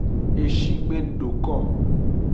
Eshi gbe do ko.